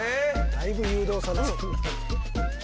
⁉だいぶ誘導されてるな。